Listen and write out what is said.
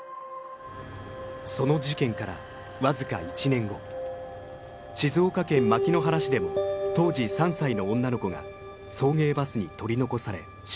その事件からわずか１年後静岡県牧之原市でも当時３歳の女の子が送迎バスに取り残され死亡。